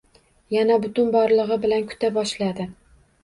Yana butun borlig`i bilan kuta boshladi